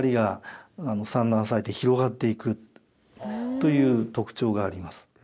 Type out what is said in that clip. という特徴があります。